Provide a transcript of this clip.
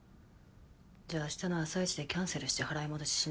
じゃあ明日の朝一でキャンセルして払い戻ししな。